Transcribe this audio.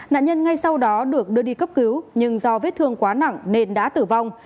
nạn nhân ngay sau đó được đưa đi cấp cứu nhưng do vết thương quá nặng nên đã tử vong